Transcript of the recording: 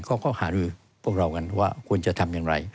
ก็ค่อยหาเรากันว่าควรจะทำยังไง